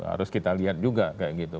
harus kita lihat juga kayak gitu